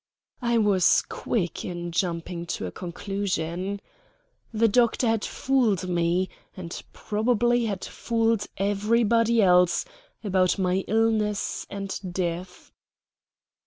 I was quick in jumping to a conclusion. The doctor had fooled me, and probably had fooled everybody else, about my illness and death.